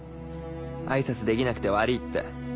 挨拶できなくて悪ぃって。